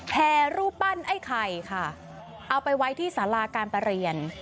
แห่รูปปั้นไอ้ไข่ค่ะเอาไปไว้ที่สาราการประเรียน